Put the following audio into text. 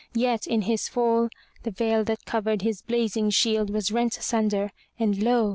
Yet in his fall the veil that covered his blazing shield was rent asunder and lo!